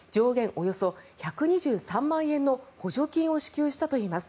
およそ１２３万円の補助金を支給したといいます。